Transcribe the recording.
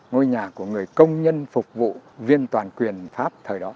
ngôi nhà của người công nhân phục vụ viên toàn quyền pháp thời đó